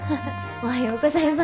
おはようございます。